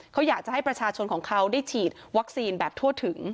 เขาอยากจะให้ประชาชนของเขาได้ฉีดวัคซีนแบบทั่วถึง